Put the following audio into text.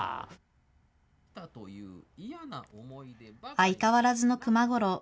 相変わらずの熊五郎。